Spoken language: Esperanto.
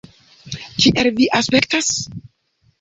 Kiel vi aspektas?